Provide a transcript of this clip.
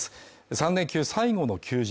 ３連休最後の休日